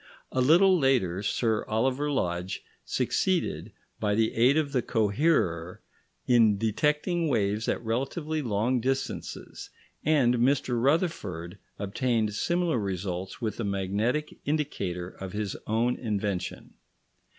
A little later, Sir Oliver Lodge succeeded, by the aid of the coherer, in detecting waves at relatively long distances, and Mr Rutherford obtained similar results with a magnetic indicator of his own invention.